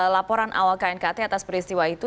laporan awal knkt atas peristiwa itu